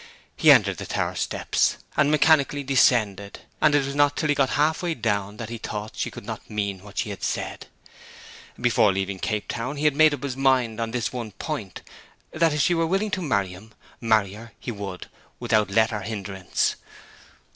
He entered the tower steps, and mechanically descended; and it was not till he got half way down that he thought she could not mean what she had said. Before leaving Cape Town he had made up his mind on this one point; that if she were willing to marry him, marry her he would without let or hindrance.